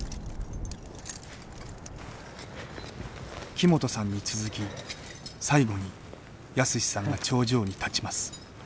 木本さんに続き最後に泰史さんが頂上に立ちます。